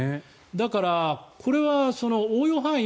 だから、これは応用範囲